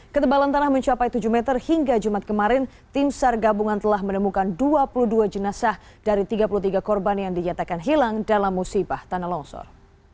ketebalan tanah mencapai tujuh meter hingga jumat kemarin tim sar gabungan telah menemukan dua puluh dua jenazah dari tiga puluh tiga korban yang dinyatakan hilang dalam musibah tanah longsor